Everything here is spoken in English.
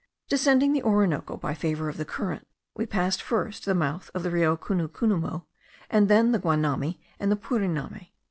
Descending the Orinoco by favour of the current, we passed first the mouth of the Rio Cunucunumo, and then the Guanami and the Puriname.